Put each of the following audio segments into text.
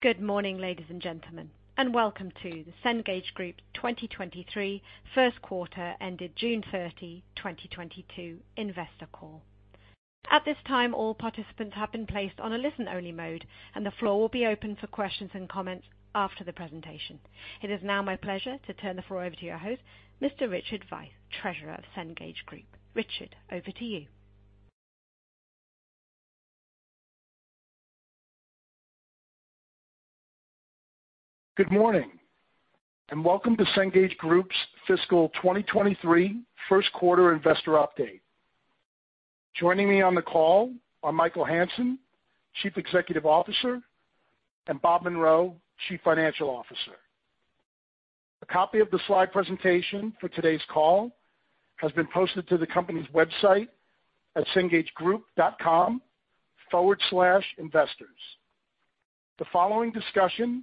Good morning, ladies, and gentlemen, and welcome to the Cengage Group 2023 First Quarter ended June 30, 2022 Investor Call. At this time, all participants have been placed on a listen-only mode, and the floor will be open for questions-and-comments after the presentation. It is now my pleasure to turn the floor over to your host, Mr. Richard Veith, Treasurer of Cengage Group. Richard, over to you. Good morning, and welcome to Cengage Group's Fiscal 2023 First Quarter Investor Update. Joining me on the call are Michael Hansen, Chief Executive Officer, and Bob Munro, Chief Financial Officer. A copy of the slide presentation for today's call has been posted to the company's website at cengagegroup.com/investors. The following discussion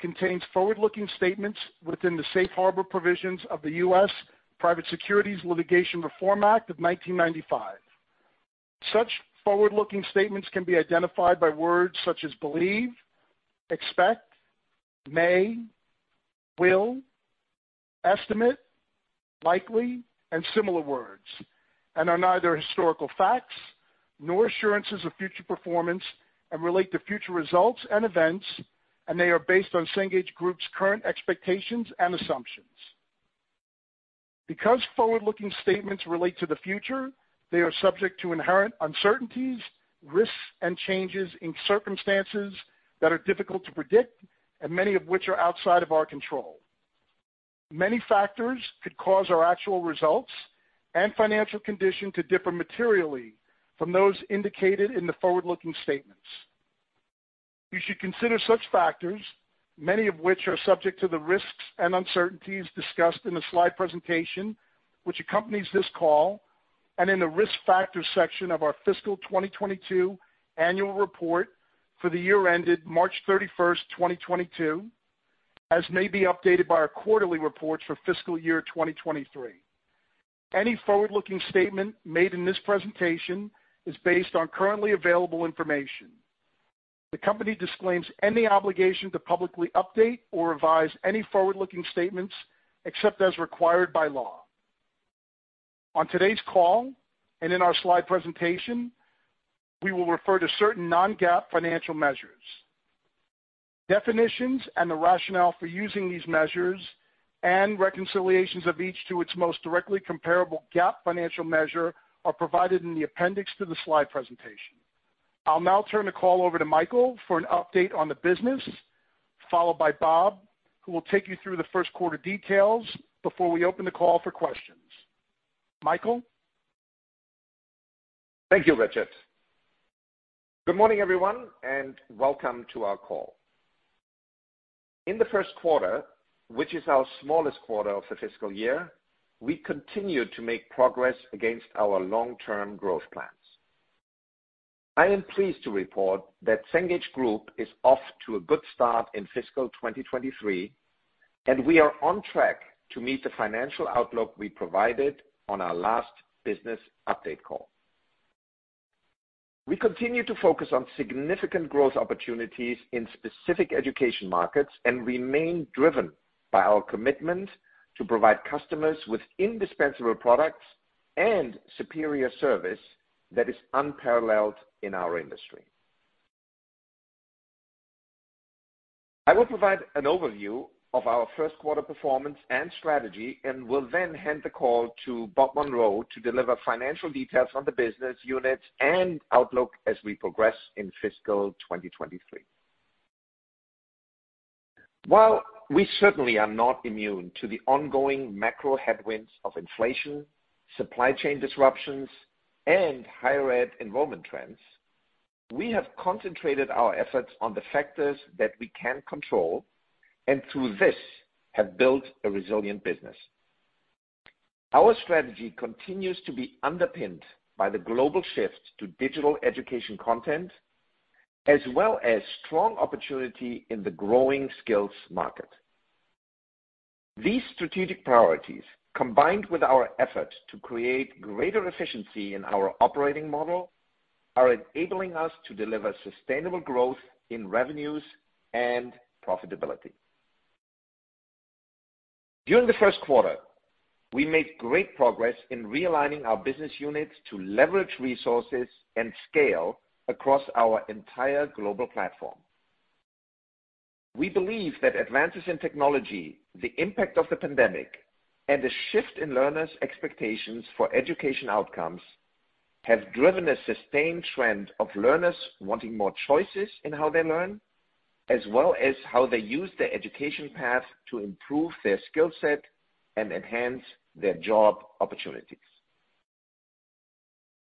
contains forward-looking statements within the safe harbor provisions of the U.S. Private Securities Litigation Reform Act of 1995. Such forward-looking statements can be identified by words such as believe, expect, may, will, estimate, likely, and similar words, and are neither historical facts nor assurances of future performance and relate to future results and events, and they are based on Cengage Group's current expectations and assumptions. Because forward-looking statements relate to the future, they are subject to inherent uncertainties, risks, and changes in circumstances that are difficult to predict and many of which are outside of our control. Many factors could cause our actual results and financial condition to differ materially from those indicated in the forward-looking statements. You should consider such factors, many of which are subject to the risks and uncertainties discussed in the slide presentation which accompanies this call and in the Risk Factors section of our fiscal 2022 annual report for the year ended March 31st, 2022, as may be updated by our quarterly reports for fiscal year 2023. Any forward-looking statement made in this presentation is based on currently available information. The company disclaims any obligation to publicly update or revise any forward-looking statements except as required by law. On today's call and in our slide presentation, we will refer to certain non-GAAP financial measures. Definitions and the rationale for using these measures and reconciliations of each to its most directly comparable GAAP financial measure are provided in the appendix to the slide presentation. I'll now turn the call over to Michael for an update on the business, followed by Bob, who will take you through the first quarter details before we open the call for questions. Michael? Thank you, Richard. Good morning, everyone, and welcome to our call. In the first quarter, which is our smallest quarter of the fiscal year, we continued to make progress against our long-term growth plans. I am pleased to report that Cengage Group is off to a good start in fiscal 2023, and we are on track to meet the financial outlook we provided on our last business update call. We continue to focus on significant growth opportunities in specific education markets and remain driven by our commitment to provide customers with indispensable products and superior service that is unparalleled in our industry. I will provide an overview of our first quarter performance and strategy and will then hand the call to Bob Munro to deliver financial details on the business units and outlook as we progress in fiscal 2023. While we certainly are not immune to the ongoing macro headwinds of inflation, supply chain disruptions, and higher education enrollment trends, we have concentrated our efforts on the factors that we can control, and through this, have built a resilient business. Our strategy continues to be underpinned by the global shift to digital education content, as well as strong opportunity in the growing skills market. These strategic priorities, combined with our efforts to create greater efficiency in our operating model, are enabling us to deliver sustainable growth in revenues and profitability. During the first quarter, we made great progress in realigning our business units to leverage resources and scale across our entire global platform. We believe that advances in technology, the impact of the pandemic, and a shift in learners' expectations for education outcomes have driven a sustained trend of learners wanting more choices in how they learn, as well as how they use their education path to improve their skill set and enhance their job opportunities.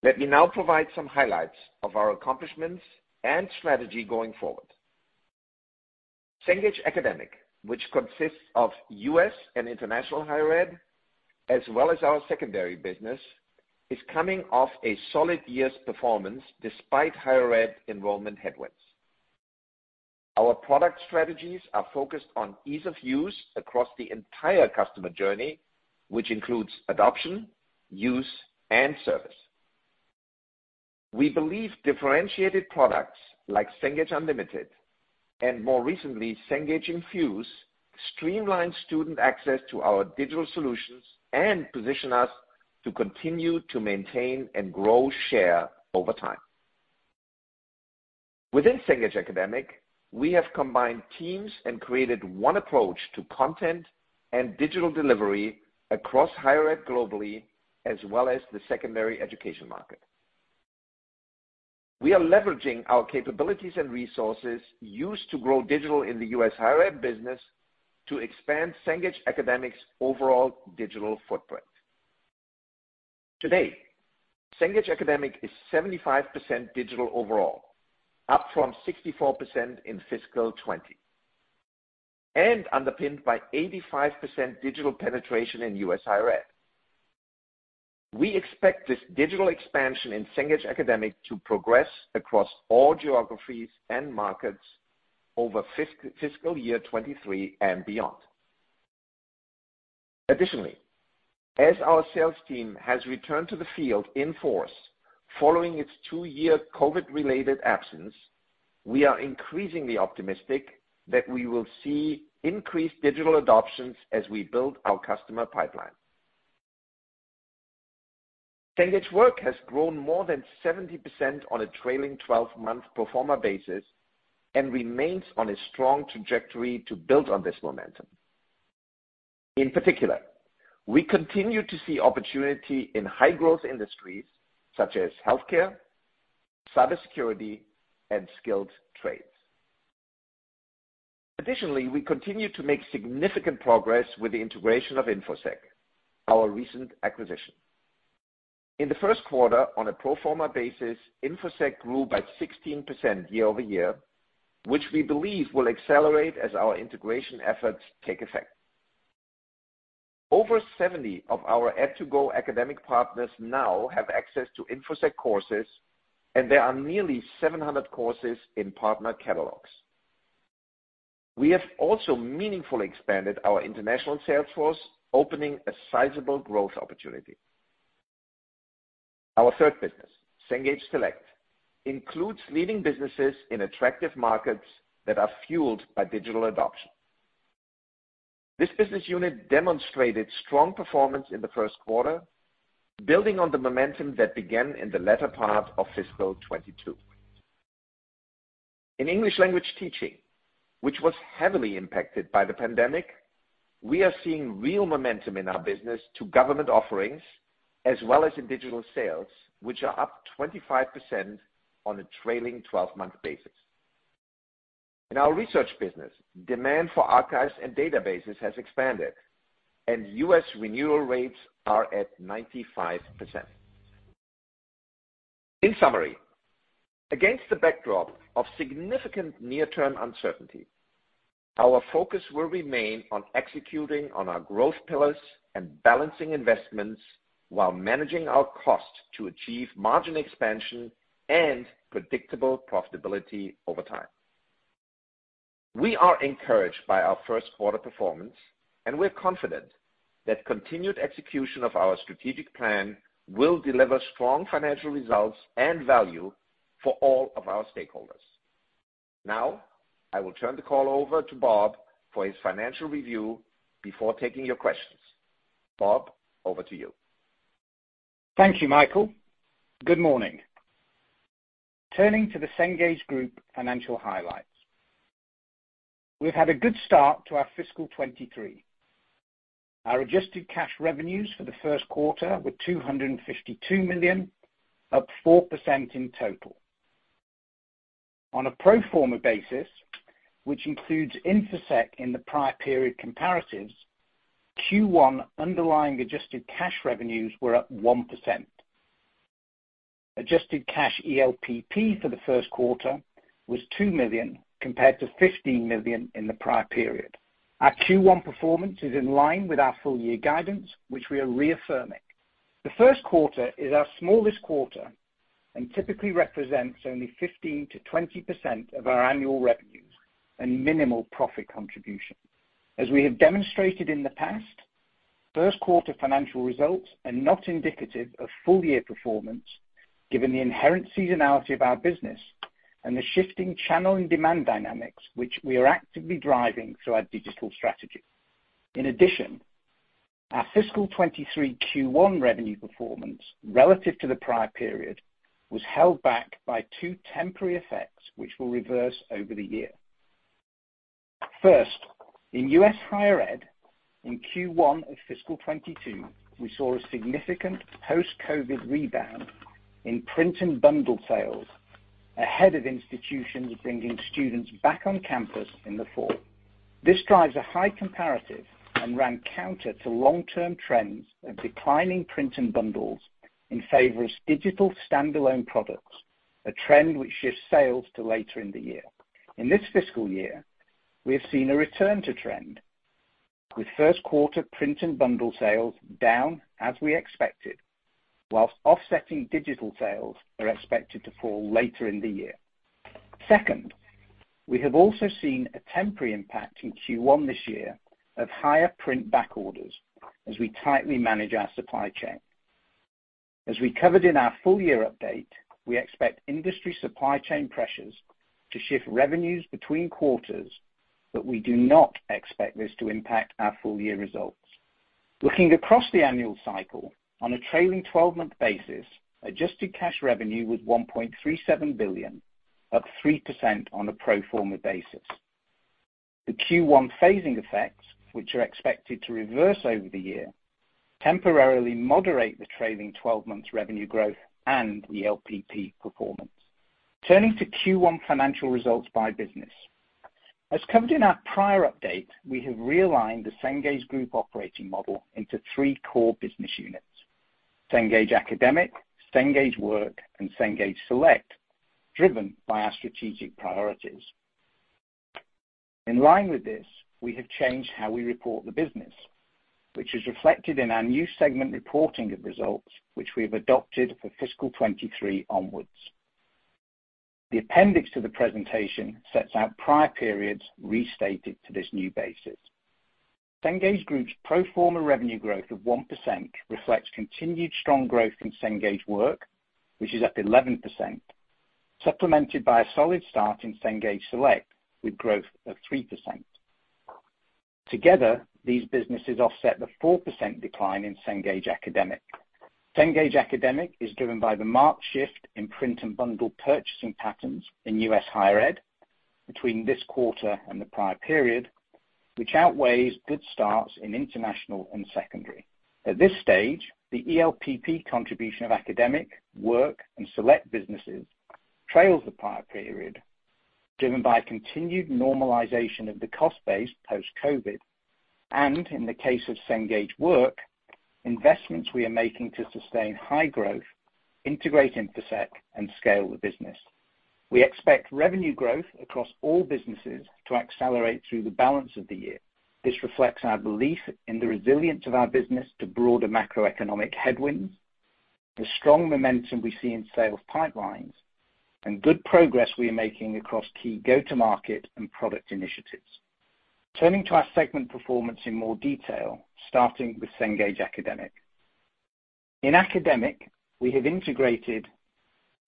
Let me now provide some highlights of our accomplishments and strategy going forward. Cengage Academic, which consists of U.S. and International higher education, as well as our secondary business, is coming off a solid year's performance despite higher education enrollment headwinds. Our product strategies are focused on ease of use across the entire customer journey, which includes adoption, use, and service. We believe differentiated products like Cengage Unlimited, and more recently, Cengage Infuse, streamline student access to our digital solutions and position us to continue to maintain and grow share over time. Within Cengage Academic, we have combined teams and created one approach to content and digital delivery across higher education globally, as well as the secondary education market. We are leveraging our capabilities and resources used to grow digital in the U.S. higher education business to expand Cengage Academic's overall digital footprint. Today, Cengage Academic is 75% digital overall, up from 64% in fiscal 2020, and underpinned by 85% digital penetration in U.S. higher education. We expect this digital expansion in Cengage Academic to progress across all geographies and markets over fiscal year 2023 and beyond. Additionally, as our sales team has returned to the field in force following its two year COVID-related absence, we are increasingly optimistic that we will see increased digital adoptions as we build our customer pipeline. Cengage Work has grown more than 70% on a trailing 12 month pro forma basis and remains on a strong trajectory to build on this momentum. In particular, we continue to see opportunity in high-growth industries such as healthcare, cybersecurity, and skilled trades. Additionally, we continue to make significant progress with the integration of Infosec, our recent acquisition. In the first quarter, on a pro forma basis, Infosec grew by 16% year-over-year, which we believe will accelerate as our integration efforts take effect. Over 70 of our ed2go academic partners now have access to Infosec courses, and there are nearly 700 courses in partner catalogs. We have also meaningfully expanded our international sales force, opening a sizable growth opportunity. Our third business, Cengage Select, includes leading businesses in attractive markets that are fueled by digital adoption. This business unit demonstrated strong performance in the first quarter, building on the momentum that began in the latter part of fiscal 2022. In English language teaching, which was heavily impacted by the pandemic, we are seeing real momentum in our business to government offerings, as well as in digital sales, which are up 25% on a trailing 12 month basis. In our research business, demand for archives and databases has expanded, and U.S. renewal rates are at 95%. In summary, against the backdrop of significant near-term uncertainty, our focus will remain on executing on our growth pillars and balancing investments while managing our costs to achieve margin expansion and predictable profitability over time. We are encouraged by our first quarter performance, and we're confident that continued execution of our strategic plan will deliver strong financial results and value for all of our stakeholders. Now, I will turn the call over to Bob for his financial review before taking your questions. Bob, over to you. Thank you, Michael. Good morning. Turning to the Cengage Group financial highlights. We've had a good start to our fiscal 2023. Our adjusted cash revenues for the first quarter were $252 million, up 4% in total. On a pro forma basis, which includes Infosec in the prior period comparatives, Q1 underlying adjusted cash revenues were up 1%. Adjusted cash ELPP for the first quarter was $2 million, compared to $15 million in the prior period. Our Q1 performance is in line with our full year guidance, which we are reaffirming. The first quarter is our smallest quarter and typically represents only 15%-20% of our annual revenues and minimal profit contribution. As we have demonstrated in the past, first quarter financial results are not indicative of full year performance, given the inherent seasonality of our business and the shifting channel and demand dynamics, which we are actively driving through our digital strategy. In addition, our fiscal 2023 Q1 revenue performance relative to the prior period was held back by two temporary effects, which will reverse over the year. First, in U.S. higher education in Q1 of fiscal 2022, we saw a significant post-COVID rebound in print and bundle sales ahead of institutions bringing students back on campus in the fall. This drives a high comparative and ran counter to long-term trends of declining print and bundles in favor of digital standalone products, a trend which shifts sales to later in the year. In this fiscal year, we have seen a return to trend, with first quarter print and bundle sales down as we expected, while offsetting digital sales are expected to fall later in the year. Second, we have also seen a temporary impact in Q1 this year of higher print back orders as we tightly manage our supply chain. As we covered in our full year update, we expect industry supply chain pressures to shift revenues between quarters, but we do not expect this to impact our full year results. Looking across the annual cycle on a trailing 12 month basis, adjusted cash revenue was $1.37 billion, up 3% on a pro forma basis. The Q1 phasing effects, which are expected to reverse over the year, temporarily moderate the trailing 12 months revenue growth and ELPP performance. Turning to Q1 financial results by business. As covered in our prior update, we have realigned the Cengage Group operating model into three core business units, Cengage Academic, Cengage Work, and Cengage Select, driven by our strategic priorities. In line with this, we have changed how we report the business, which is reflected in our new segment reporting of results, which we have adopted for fiscal 2023 onwards. The appendix to the presentation sets out prior periods restated to this new basis. Cengage Group's pro forma revenue growth of 1% reflects continued strong growth in Cengage Work, which is up 11%, supplemented by a solid start in Cengage Select with growth of 3%. Together, these businesses offset the 4% decline in Cengage Academic. Cengage Academic is driven by the marked shift in print and bundle purchasing patterns in U.S. higher education between this quarter and the prior period, which outweighs good starts in international and secondary. At this stage, the ELPP contribution of academic, work, and select businesses trails the prior period, driven by a continued normalization of the cost base post-COVID, and in the case of Cengage Work, investments we are making to sustain high growth, integrate Infosec, and scale the business. We expect revenue growth across all businesses to accelerate through the balance of the year. This reflects our belief in the resilience of our business to broader macroeconomic headwinds, the strong momentum we see in sales pipelines, and good progress we are making across key go-to-market and product initiatives. Turning to our segment performance in more detail, starting with Cengage Academic. In academic, we have integrated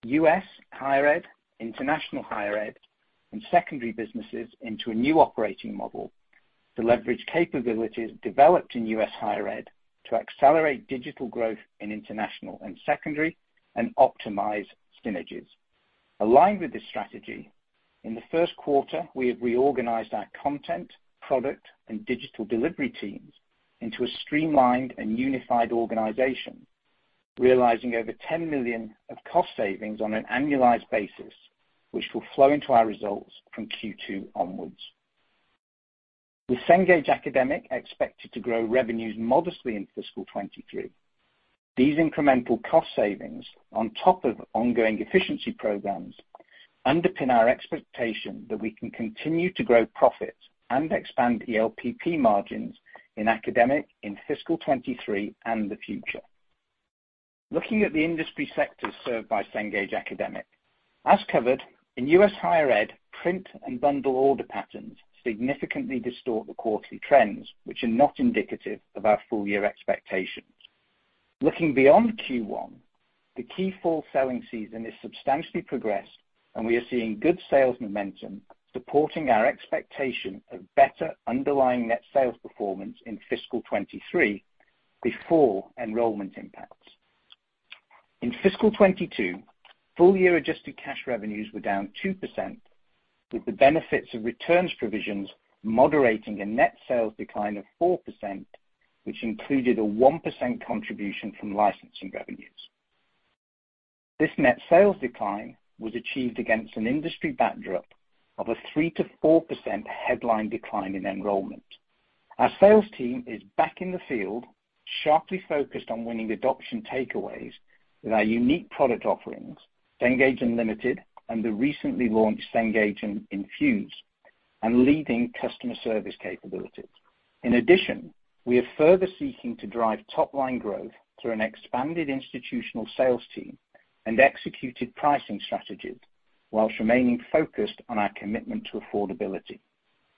U.S. higher education, international higher education, and secondary businesses into a new operating model to leverage capabilities developed in U.S. higher education to accelerate digital growth in international and secondary and optimize synergies. Aligned with this strategy, in the first quarter, we have reorganized our content, product, and digital delivery teams into a streamlined and unified organization, realizing over $10 million of cost savings on an annualized basis, which will flow into our results from Q2 onwards. With Cengage Academic expected to grow revenues modestly in fiscal 2023, these incremental cost savings on top of ongoing efficiency programs underpin our expectation that we can continue to grow profits and expand ELPP margins in academic in fiscal 2023 and the future. Looking at the industry sectors served by Cengage Academic. As covered, in U.S. higher education, print and bundle order patterns significantly distort the quarterly trends, which are not indicative of our full-year expectations. Looking beyond Q1, the key fall selling season is substantially progressed and we are seeing good sales momentum supporting our expectation of better underlying net sales performance in fiscal 2023 before enrollment impacts. In fiscal 2022, full-year adjusted cash revenues were down 2%, with the benefits of returns provisions moderating a net sales decline of 4%, which included a 1% contribution from licensing revenues. This net sales decline was achieved against an industry backdrop of a 3%-4% headline decline in enrollment. Our sales team is back in the field, sharply focused on winning adoption takeaways with our unique product offerings, Cengage Unlimited and the recently launched Cengage Infuse and leading customer service capabilities. In addition, we are further seeking to drive top-line growth through an expanded institutional sales team and executed pricing strategies while remaining focused on our commitment to affordability.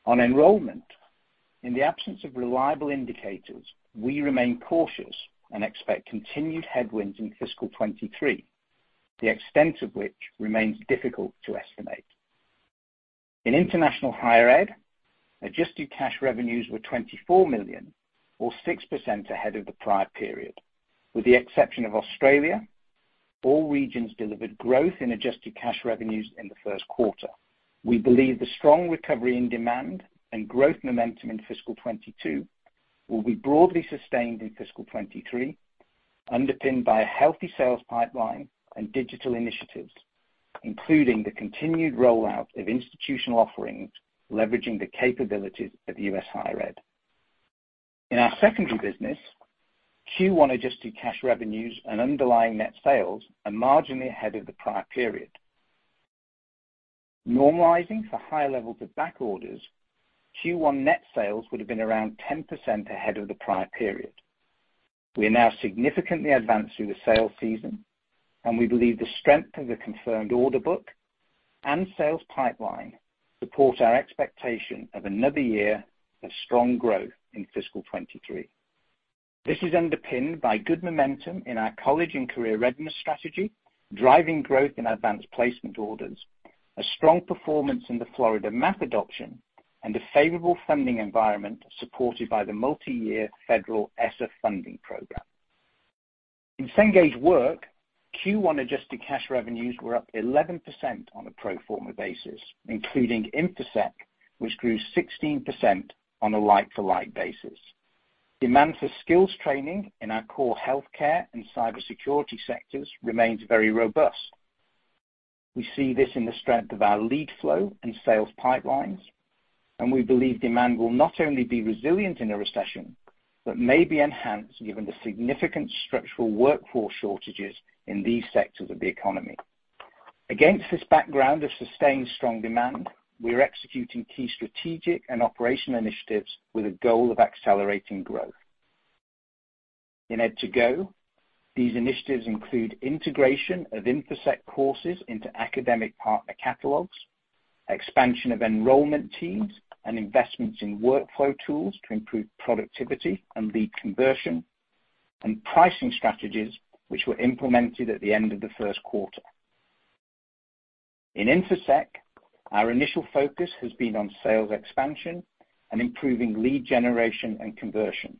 On enrollment, in the absence of reliable indicators, we remain cautious and expect continued headwinds in fiscal 2023, the extent of which remains difficult to estimate. In international higher education, adjusted cash revenues were $24 million or 6% ahead of the prior period. With the exception of Australia, all regions delivered growth in adjusted cash revenues in the first quarter. We believe the strong recovery in demand and growth momentum in fiscal 2022 will be broadly sustained in fiscal 2023, underpinned by a healthy sales pipeline and digital initiatives, including the continued rollout of institutional offerings leveraging the capabilities of U.S. higher education. In our secondary business, Q1 adjusted cash revenues and underlying net sales are marginally ahead of the prior period. Normalizing for higher levels of back orders, Q1 net sales would have been around 10% ahead of the prior period. We are now significantly advanced through the sales season, and we believe the strength of the confirmed order book and sales pipeline support our expectation of another year of strong growth in fiscal 2023. This is underpinned by good momentum in our college and career readiness strategy, driving growth in advanced placement orders, a strong performance in the Florida math adoption, and a favorable funding environment supported by the multi-year Federal ESSER funding program. In Cengage Work, Q1 adjusted cash revenues were up 11% on a pro forma basis, including Infosec, which grew 16% on a like-for-like basis. Demand for skills training in our core healthcare and cybersecurity sectors remains very robust. We see this in the strength of our lead flow and sales pipelines, and we believe demand will not only be resilient in a recession, but may be enhanced given the significant structural workforce shortages in these sectors of the economy. Against this background of sustained strong demand, we are executing key strategic and operational initiatives with a goal of accelerating growth. In ed2go, these initiatives include integration of Infosec courses into academic partner catalogs, expansion of enrollment teams and investments in workflow tools to improve productivity and lead conversion, and pricing strategies which were implemented at the end of the first quarter. In Infosec, our initial focus has been on sales expansion and improving lead generation and conversion.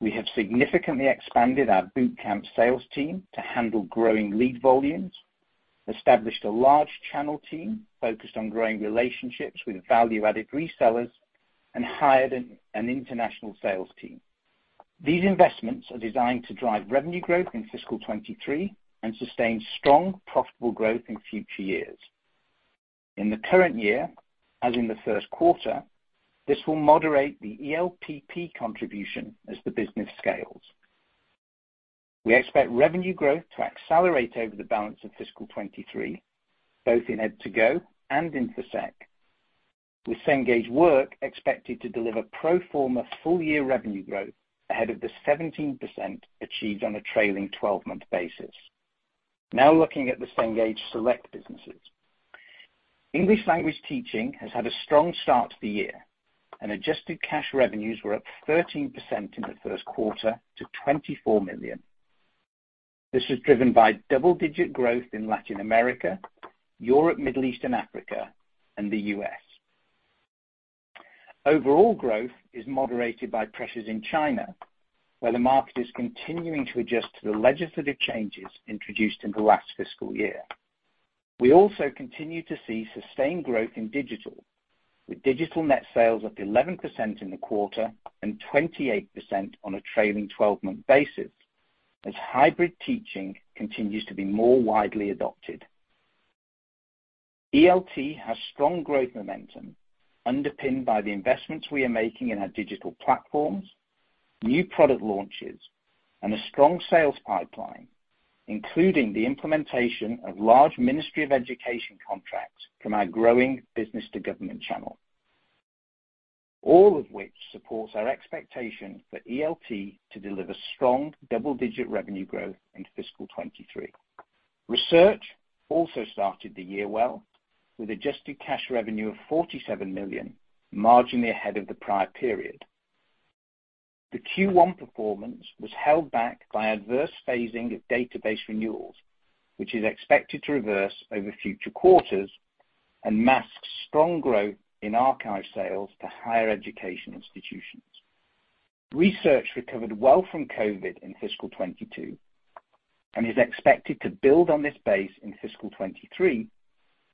We have significantly expanded our boot camp sales team to handle growing lead volumes, established a large channel team focused on growing relationships with value-added resellers, and hired an international sales team. These investments are designed to drive revenue growth in fiscal 2023 and sustain strong, profitable growth in future years. In the current year, as in the first quarter, this will moderate the ELPP contribution as the business scales. We expect revenue growth to accelerate over the balance of fiscal 2023, both in ed2go and Infosec, with Cengage Work expected to deliver pro forma full-year revenue growth ahead of the 17% achieved on a trailing 12 month basis. Now looking at the Cengage Select businesses. English language teaching has had a strong start to the year, and adjusted cash revenues were up 13% in the first quarter to $24 million. This was driven by double-digit growth in Latin America, Europe, Middle East and Africa, and the U.S. Overall growth is moderated by pressures in China, where the market is continuing to adjust to the legislative changes introduced in the last fiscal year. We also continue to see sustained growth in digital, with digital net sales up 11% in the quarter and 28% on a trailing 12 month basis, as hybrid teaching continues to be more widely adopted. ELT has strong growth momentum underpinned by the investments we are making in our digital platforms, new product launches, and a strong sales pipeline, including the implementation of large ministry of education contracts from our growing business to government channel. All of which supports our expectation for ELT to deliver strong double-digit revenue growth in fiscal 2023. Research also started the year well, with adjusted cash revenue of $47 million, marginally ahead of the prior period. The Q1 performance was held back by adverse phasing of database renewals, which is expected to reverse over future quarters and masks strong growth in archive sales to higher education institutions. Research recovered well from COVID in fiscal 2022, and is expected to build on this base in fiscal 2023,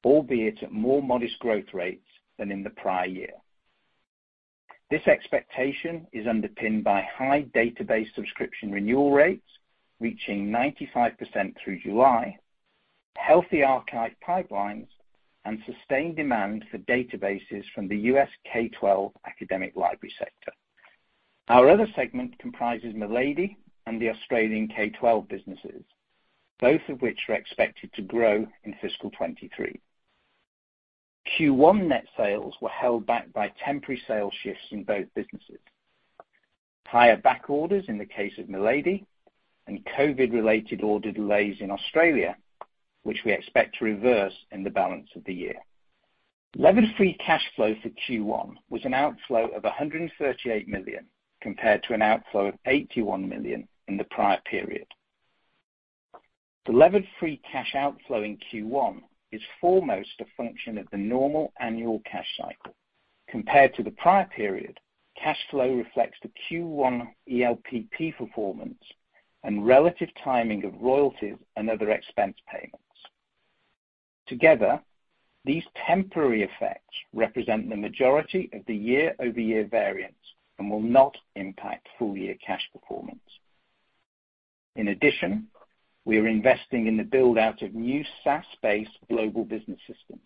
albeit at more modest growth rates than in the prior year. This expectation is underpinned by high database subscription renewal rates reaching 95% through July, healthy archive pipelines, and sustained demand for databases from the U.S. K-12 academic library sector. Our other segment comprises Milady and the Australian K-12 businesses, both of which are expected to grow in fiscal 2023. Q1 net sales were held back by temporary sales shifts in both businesses. Higher back orders in the case of Milady and COVID-related order delays in Australia, which we expect to reverse in the balance of the year. Levered free cash flow for Q1 was an outflow of $138 million, compared to an outflow of $81 million in the prior period. The levered free cash outflow in Q1 is foremost a function of the normal annual cash cycle. Compared to the prior period, cash flow reflects the Q1 ELPP performance and relative timing of royalties and other expense payments. Together, these temporary effects represent the majority of the year-over-year variance and will not impact full-year cash performance. In addition, we are investing in the build-out of new SaaS-based global business systems,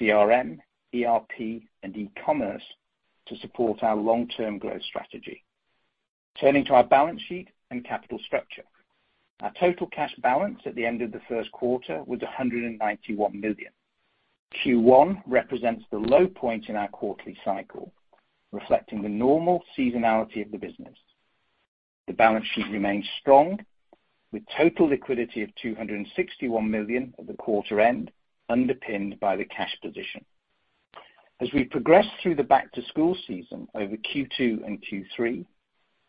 CRM, ERP, and e-commerce to support our long-term growth strategy. Turning to our balance sheet and capital structure. Our total cash balance at the end of the first quarter was $191 million. Q1 represents the low point in our quarterly cycle, reflecting the normal seasonality of the business. The balance sheet remains strong, with total liquidity of $261 million at the quarter end, underpinned by the cash position. As we progress through the back-to-school season over Q2 and Q3,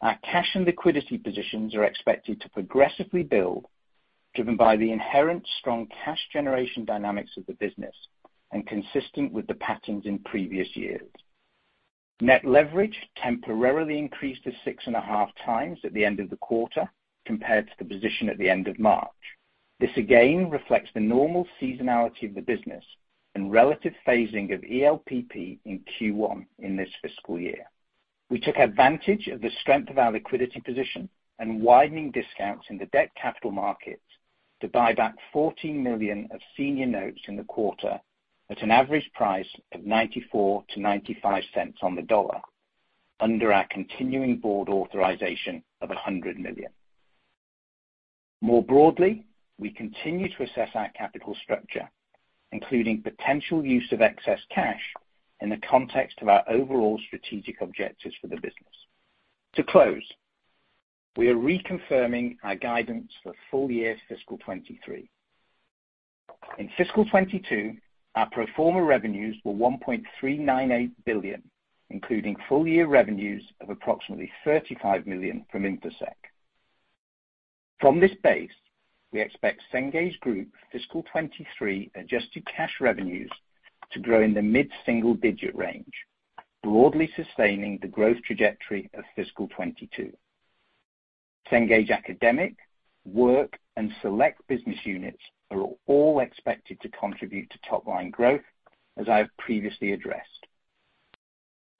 our cash and liquidity positions are expected to progressively build, driven by the inherent strong cash generation dynamics of the business and consistent with the patterns in previous years. Net leverage temporarily increased to 6.5x at the end of the quarter compared to the position at the end of March. This again reflects the normal seasonality of the business and relative phasing of ELPP in Q1 in this fiscal year. We took advantage of the strength of our liquidity position and widening discounts in the debt capital markets to buy back 14 million of senior notes in the quarter at an average price of $0.94-$0.95 on the dollar under our continuing board authorization of $100 million. More broadly, we continue to assess our capital structure, including potential use of excess cash in the context of our overall strategic objectives for the business. To close, we are reconfirming our guidance for full year fiscal 2023. In fiscal 2022, our pro forma revenues were $1.398 billion, including full-year revenues of approximately $35 million from Infosec. From this base, we expect Cengage Group fiscal 2023 adjusted cash revenues to grow in the mid-single-digit range, broadly sustaining the growth trajectory of fiscal 2022. Cengage Academic, Cengage Work, and Cengage Select business units are all expected to contribute to top line growth, as I have previously addressed.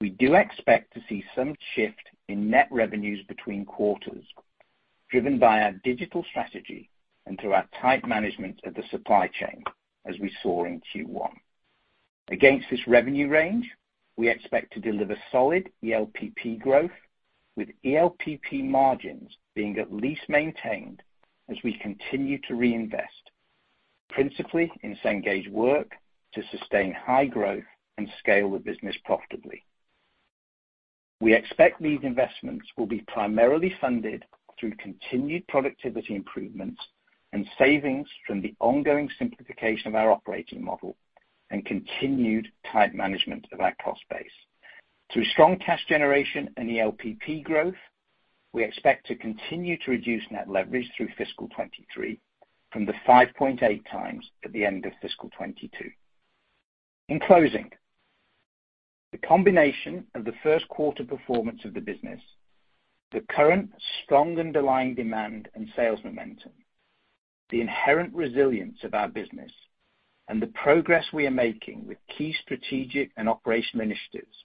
We do expect to see some shift in net revenues between quarters, driven by our digital strategy and through our tight management of the supply chain, as we saw in Q1. Against this revenue range, we expect to deliver solid ELPP growth, with ELPP margins being at least maintained as we continue to reinvest, principally in Cengage Work to sustain high growth and scale the business profitably. We expect these investments will be primarily funded through continued productivity improvements and savings from the ongoing simplification of our operating model and continued tight management of our cost base. Through strong cash generation and ELPP growth, we expect to continue to reduce net leverage through fiscal 2023 from the 5.8x at the end of fiscal 2022. In closing, the combination of the first quarter performance of the business, the current strong underlying demand and sales momentum, the inherent resilience of our business, and the progress we are making with key strategic and operational initiatives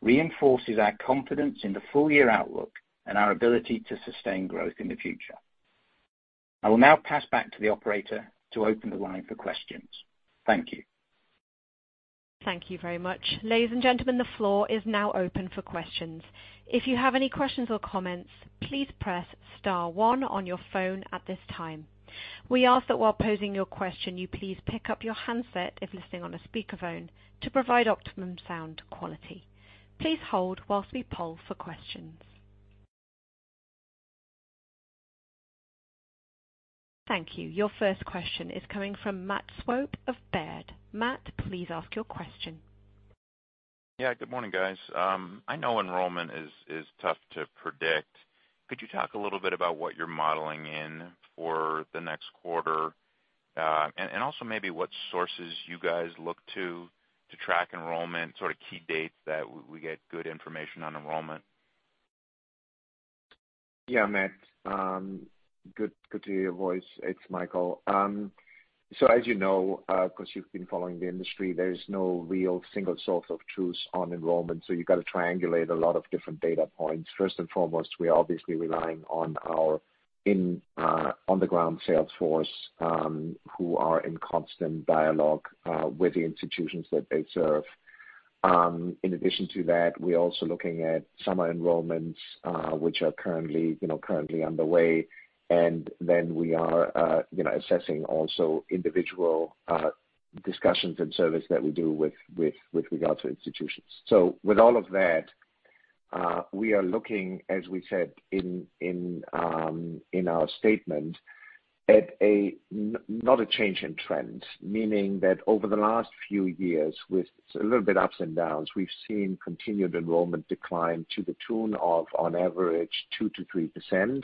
reinforces our confidence in the full-year outlook and our ability to sustain growth in the future. I will now pass back to the operator to open the line for questions. Thank you. Thank you very much. Ladies, And gentlemen, the floor is now open for questions. If you have any questions or comments, please press star one on your phone at this time. We ask that while posing your question, you please pick up your handset if listening on a speakerphone to provide optimum sound quality. Please hold while we poll for questions. Thank you. Your first question is coming from Matt Swope of Baird. Matt, please ask your question. Yeah, good morning, guys. I know enrollment is tough to predict. Could you talk a little bit about what you're modeling in for the next quarter? Also maybe what sources you guys look to to track enrollment, sort of key dates that we get good information on enrollment. Yeah, Matt. Good to hear your voice. It's Michael. So as you know, 'cause you've been following the industry, there is no real single source of truth on enrollment, so you've got to triangulate a lot of different data points. First and foremost, we are obviously relying on our on-the-ground sales force, who are in constant dialogue with the institutions that they serve. In addition to that, we're also looking at summer enrollments, which are currently, you know, currently underway. Then we are, you know, assessing also individual discussions and service that we do with regard to institutions. With all of that, we are looking, as we said in our statement, at not a change in trend, meaning that over the last few years, with a little bit ups and downs, we've seen continued enrollment decline to the tune of on average 2%-3%.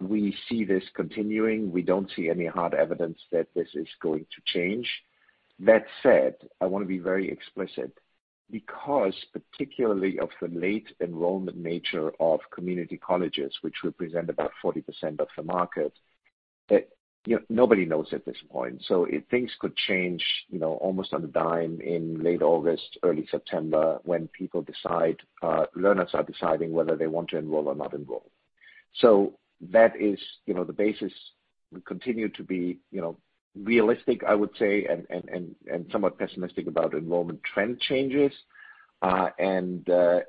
We see this continuing. We don't see any hard evidence that this is going to change. That said, I wanna be very explicit because particularly of the late enrollment nature of community colleges, which represent about 40% of the market, you know, nobody knows at this point. If things could change, you know, almost on a dime in late August, early September, when people decide, learners are deciding whether they want to enroll or not enroll. That is, you know, the basis. We continue to be, you know, realistic, I would say, and somewhat pessimistic about enrollment trend changes. At the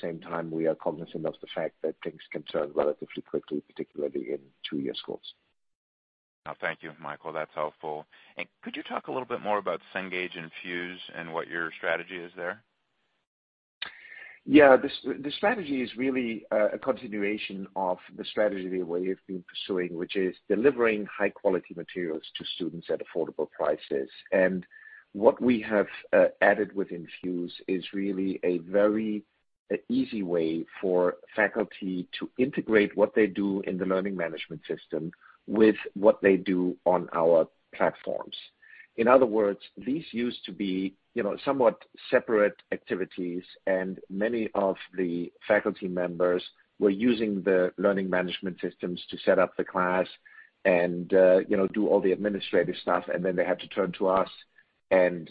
same time, we are cognizant of the fact that things can turn relatively quickly, particularly in two-year schools. Oh, thank you, Michael. That's helpful. Could you talk a little bit more about Cengage Infuse and what your strategy is there? Yeah. The strategy is really a continuation of the strategy we have been pursuing, which is delivering high-quality materials to students at affordable prices. What we have added with Infuse is really a very easy way for faculty to integrate what they do in the learning management system with what they do on our platforms. In other words, these used to be, you know, somewhat separate activities, and many of the faculty members were using the learning management systems to set up the class and, you know, do all the administrative stuff, and then they had to turn to us and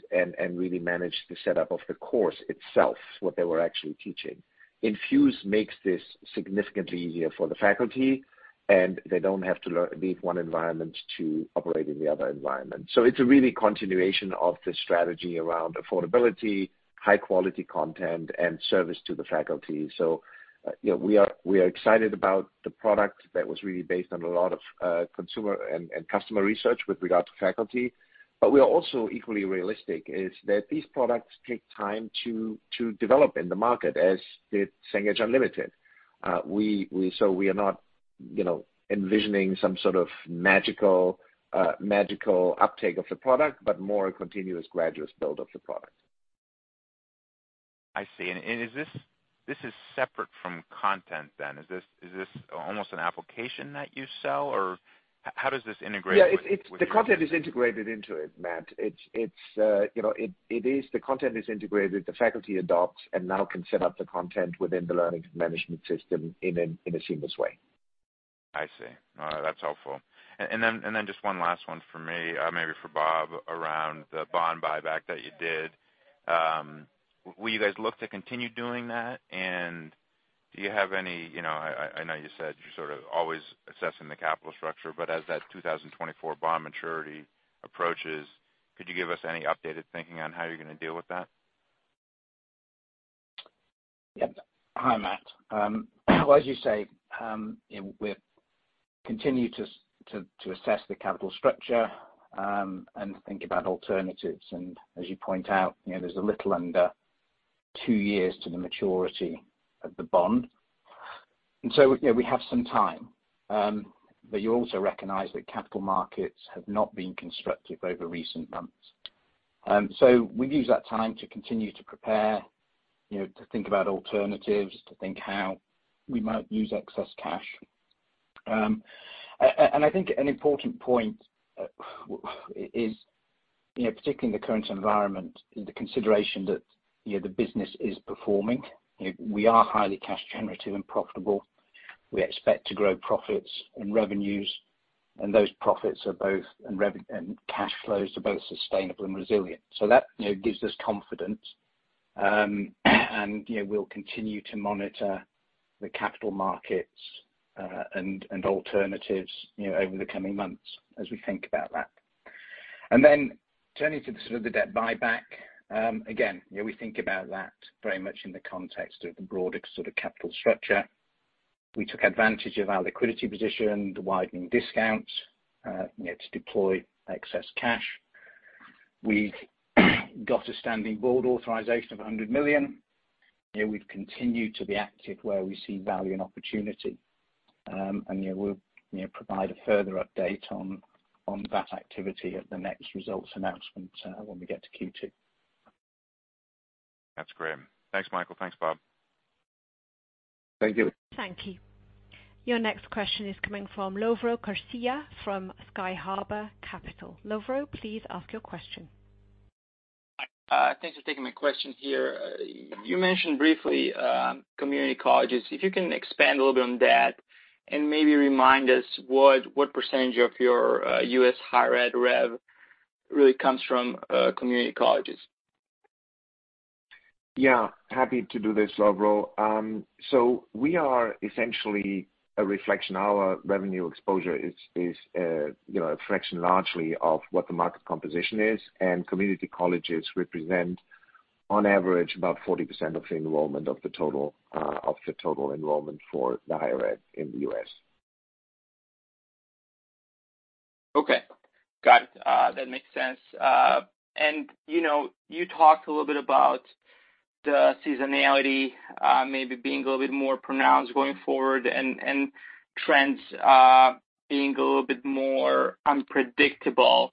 really manage the setup of the course itself, what they were actually teaching. Infuse makes this significantly easier for the faculty, and they don't have to leave one environment to operate in the other environment. It's really continuation of the strategy around affordability, high-quality content, and service to the faculty. You know, we are excited about the product that was really based on a lot of consumer and customer research with regard to faculty. We are also equally realistic in that these products take time to develop in the market as did Cengage Unlimited. We are not, you know, envisioning some sort of magical uptake of the product, but more a continuous gradual build of the product. I see. This is separate from content then. Is this almost an application that you sell, or how does this integrate with- Yeah. The content is integrated into it, Matt. It's, you know, it is. The content is integrated, the faculty adopts, and now can set up the content within the learning management system in a seamless way. I see. That's helpful. Just one last one for me, maybe for Bob around the bond buyback that you did. Will you guys look to continue doing that? Do you have any? I know you said you're sort of always assessing the capital structure, but as that 2024 bond maturity approaches, could you give us any updated thinking on how you're gonna deal with that? Yep. Hi, Matt. As you say, you know, we continue to assess the capital structure and think about alternatives. As you point out, you know, there's a little under two years to the maturity of the bond. You know, we have some time. You also recognize that capital markets have not been constructive over recent months. We've used that time to continue to prepare, you know, to think about alternatives, to think how we might use excess cash. I think an important point is, you know, particularly in the current environment, the consideration that, you know, the business is performing. You know, we are highly cash generative and profitable. We expect to grow profits and revenues, and those profits and cash flows are both sustainable and resilient. That, you know, gives us confidence. You know, we'll continue to monitor the capital markets, and alternatives, you know, over the coming months as we think about that. Turning to the sort of the debt buyback, again, you know, we think about that very much in the context of the broader sort of capital structure. We took advantage of our liquidity position, the widening discounts, you know, to deploy excess cash. We've got a standing board authorization of $100 million. You know, we've continued to be active where we see value and opportunity. You know, we'll, you know, provide a further update on that activity at the next results announcement, when we get to Q2. That's great. Thanks, Michael. Thanks, Bob. Thank you. Thank you. Your next question is coming from Lovro Čurčija from Sky Harbor Capital Management. Lovro, please ask your question. Thanks for taking my question here. You mentioned briefly community colleges. If you can expand a little bit on that and maybe remind us what percentage of your U.S. higher education rev really comes from community colleges? Yeah, happy to do this, Lovro. We are essentially a reflection. Our revenue exposure is, you know, a fraction largely of what the market composition is, and community colleges represent on average about 40% of the enrollment of the total enrollment for the higher education in the U.S. Okay. Got it. That makes sense. You know, you talked a little bit about the seasonality, maybe being a little bit more pronounced going forward and trends being a little bit more unpredictable.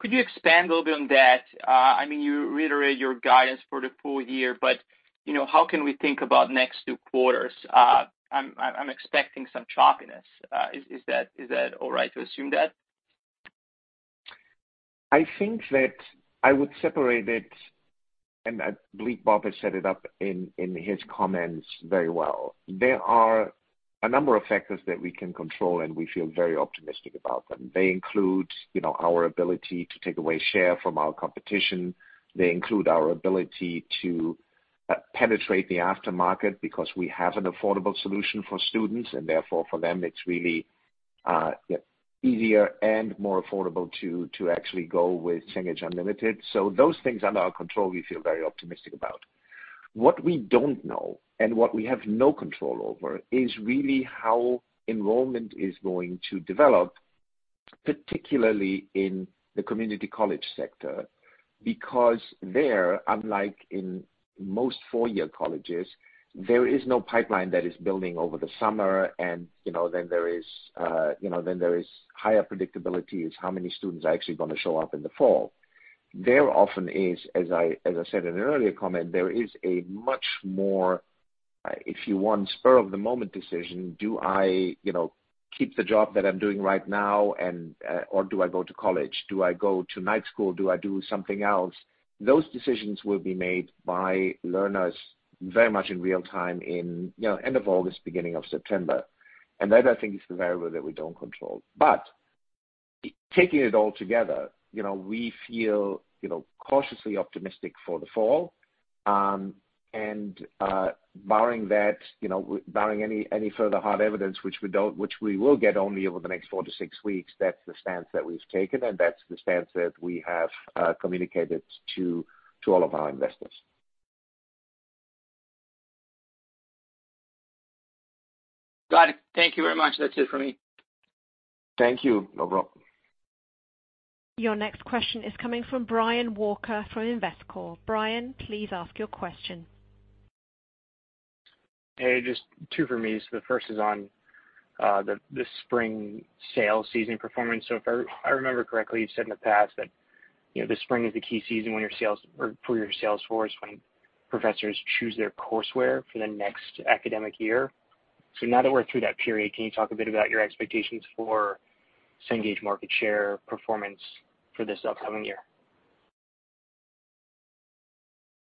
Could you expand a little bit on that? I mean, you reiterate your guidance for the full year, but you know, how can we think about next two quarters? I'm expecting some choppiness. Is that all right to assume that? I think that I would separate it, and I believe Bob has set it up in his comments very well. There are a number of factors that we can control, and we feel very optimistic about them. They include, you know, our ability to take away share from our competition. They include our ability to penetrate the aftermarket because we have an affordable solution for students and therefore for them it's really easier and more affordable to actually go with Cengage Unlimited. Those things are in our control, we feel very optimistic about. What we don't know and what we have no control over is really how enrollment is going to develop, particularly in the community college sector. Because there, unlike in most four-year colleges, there is no pipeline that is building over the summer and, you know, then there is higher predictability in how many students are actually gonna show up in the fall. There often is, as I said in an earlier comment, there is a much more, if you want, spur of the moment decision. Do I, you know, keep the job that I'm doing right now and or do I go to college? Do I go to night school? Do I do something else? Those decisions will be made by learners very much in real time in, you know, end of August, beginning of September. That, I think, is the variable that we don't control. Taking it all together, you know, we feel, you know, cautiously optimistic for the fall. Barring that, you know, barring any further hard evidence which we will get only over the next four to six weeks, that's the stance that we've taken, and that's the stance that we have communicated to all of our investors. Got it. Thank you very much. That's it for me. Thank you. No problem. Your next question is coming from Brian Walker from Investcorp. Brian, please ask your question. Hey, just two for me. The first is on the spring sales season performance. If I remember correctly, you've said in the past that, you know, the spring is the key season when your sales force, when professors choose their courseware for the next academic year. Now that we're through that period, can you talk a bit about your expectations for Cengage market share performance for this upcoming year?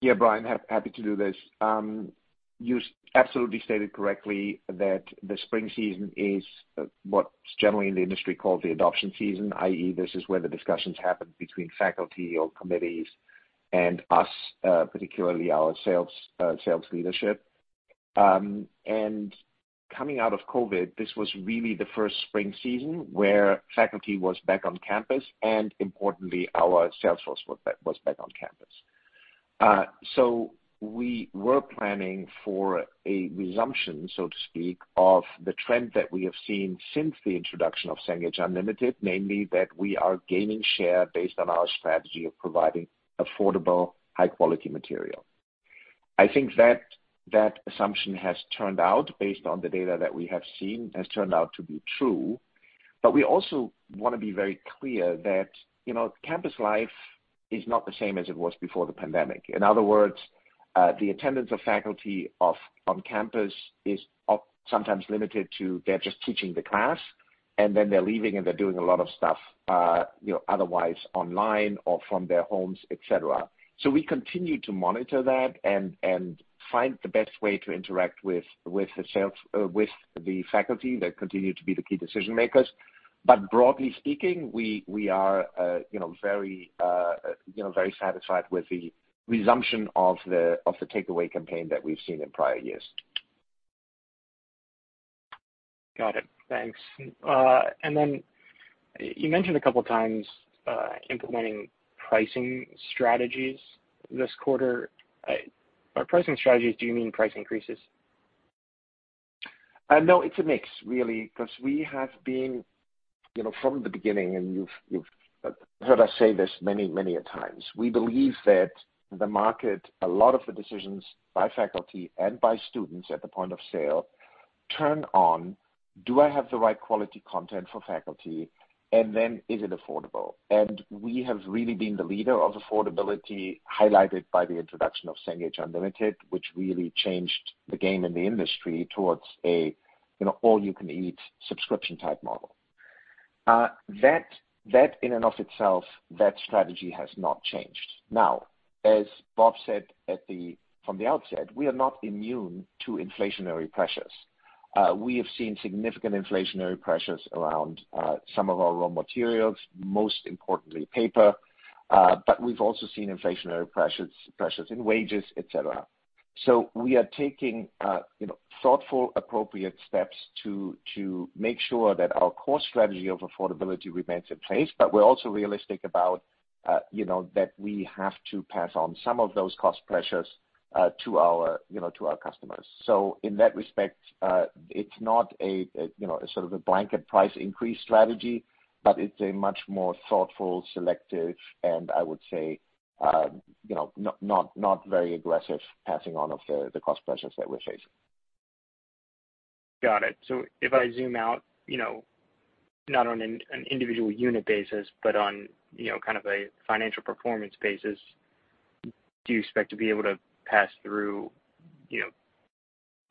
Yeah, Brian, happy to do this. You absolutely stated correctly that the spring season is what's generally in the industry called the adoption season, i.e., this is where the discussions happen between faculty or committees and us, particularly our sales leadership. Coming out of COVID, this was really the first spring season where faculty was back on campus, and importantly, our sales force was back on campus. We were planning for a resumption, so to speak, of the trend that we have seen since the introduction of Cengage Unlimited, namely, that we are gaining share based on our strategy of providing affordable, high quality material. I think that assumption has turned out based on the data that we have seen, has turned out to be true. We also wanna be very clear that, you know, campus life is not the same as it was before the pandemic. In other words, the attendance of faculty on campus is sometimes limited to they're just teaching the class, and then they're leaving, and they're doing a lot of stuff, you know, otherwise online or from their homes, et cetera. We continue to monitor that and find the best way to interact with the sales, with the faculty that continue to be the key decision makers. Broadly speaking, we are, you know, very, you know, very satisfied with the resumption of the takeaway campaign that we've seen in prior years. Got it. Thanks. You mentioned a couple of times implementing pricing strategies this quarter. By pricing strategies, do you mean price increases? No, it's a mix really, 'cause we have been, you know, from the beginning and you've heard us say this many a times. We believe that the market, a lot of the decisions by faculty and by students at the point of sale turn on do I have the right quality content for faculty. And then is it affordable. We have really been the leader of affordability, highlighted by the introduction of Cengage Unlimited, which really changed the game in the industry towards a, you know, all you can eat subscription type model. That in and of itself, that strategy has not changed. Now, as Bob said from the outset, we are not immune to inflationary pressures. We have seen significant inflationary pressures around, some of our raw materials, most importantly paper, but we've also seen inflationary pressures in wages, et cetera. We are taking, you know, thoughtful, appropriate steps to make sure that our core strategy of affordability remains in place. We're also realistic about, you know, that we have to pass on some of those cost pressures, to our, you know, to our customers. In that respect, it's not a sort of a blanket price increase strategy, but it's a much more thoughtful, selective and I would say, you know, not very aggressive passing on of the cost pressures that we're facing. Got it. If I zoom out, you know, not on an individual unit basis, but on, you know, kind of a financial performance basis, do you expect to be able to pass through, you know,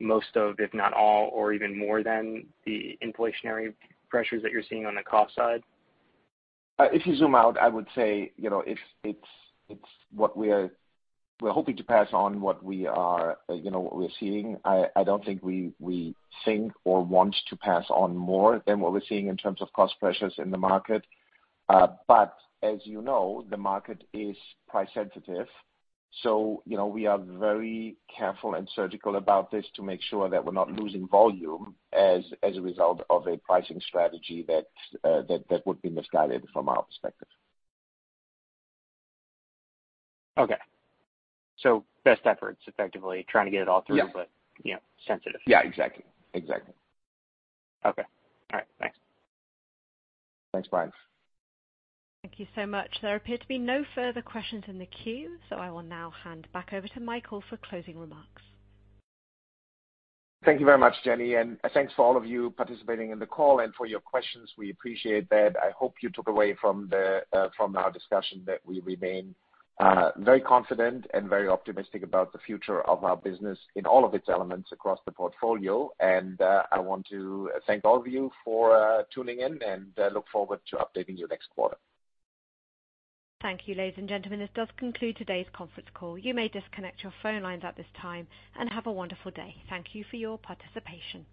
most of, if not all, or even more than the inflationary pressures that you're seeing on the cost side? If you zoom out, I would say, you know, it's what we're hoping to pass on, what we're seeing. I don't think we think or want to pass on more than what we're seeing in terms of cost pressures in the market. But as you know, the market is price sensitive. You know, we are very careful and surgical about this to make sure that we're not losing volume as a result of a pricing strategy that would be misguided from our perspective. Okay. Best efforts effectively trying to get it all through. Yeah. You know, sensitive. Yeah, exactly. Exactly. Okay. All right. Thanks. Thanks, Brian. Thank you so much. There appear to be no further questions in the queue, so I will now hand back over to Michael for closing remarks. Thank you very much, Jenny, and thanks for all of you participating in the call and for your questions. We appreciate that. I hope you took away from our discussion that we remain very confident and very optimistic about the future of our business in all of its elements across the portfolio. I want to thank all of you for tuning in, and I look forward to updating you next quarter. Thank you, ladies, and gentlemen. This does conclude today's conference call. You may disconnect your phone lines at this time and have a wonderful day. Thank you for your participation.